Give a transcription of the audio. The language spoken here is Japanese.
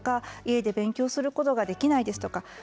家で勉強することができないですとか